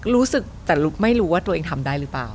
รู้สึกแต่ไม่รู้ว่าตัวเองทำได้หรือเปล่า